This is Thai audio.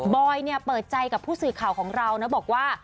อยเนี่ยเปิดใจกับผู้สื่อข่าวของเรานะบอกว่า